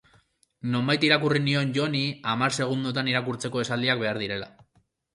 Nonbait irakurri nion Joni hamar segundotan irakurtzeko esaldiak behar direla.